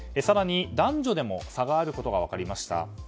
更に男女でも差があることが分かりました。